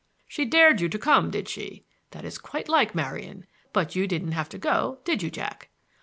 "She dared you to come, did she! That is quite like Marian; but you didn't have to go, did you, Jack?"